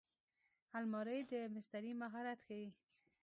الماري د مستري مهارت ښيي